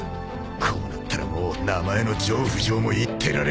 こうなったらもう名前の浄不浄も言ってられねえ